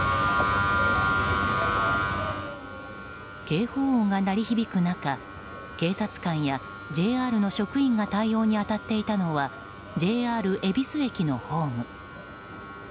警報音が鳴り響く中警察官やＪＲの職員が対応に当たっていたのはＪＲ恵比寿駅のホーム。